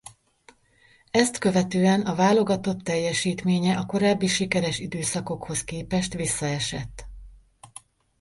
Ezt követően a válogatott teljesítménye a korábbi sikeres időszakokhoz képest visszaesett.